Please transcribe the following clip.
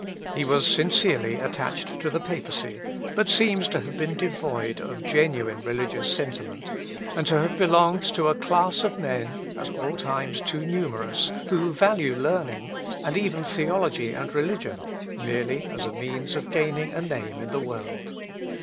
He was sincerely attached to the papacy, but seems to have been devoid of genuine religious sentiment, and to have belonged to a class of men, at all times too numerous, who value learning, and even theology and religion, merely as a means of gaining a name in the world.